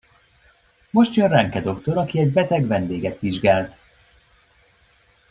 Most jön Ranke doktor, aki egy beteg vendéget vizsgált.